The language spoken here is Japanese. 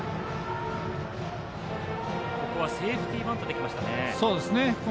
ここはセーフティーバントできましたね。